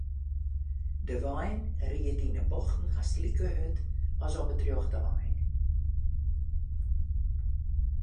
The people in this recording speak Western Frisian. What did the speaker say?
De wein ried yn 'e bochten hast like hurd as op it rjochte ein.